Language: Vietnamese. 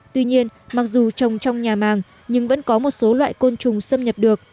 tuy nhiên mặc dù trồng trong nhà màng nhưng vẫn có một số loại côn trùng xâm nhập được